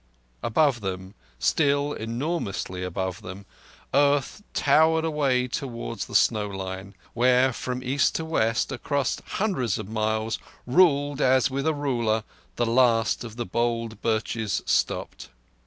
Above them, still enormously above them, earth towered away towards the snow line, where from east to west across hundreds of miles, ruled as with a ruler, the last of the bold birches stopped.